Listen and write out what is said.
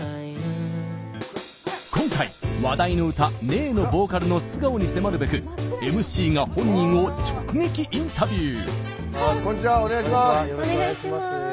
今回、話題の歌「ねぇ」のボーカルの素顔に迫るべくＭＣが本人を直撃インタビュー！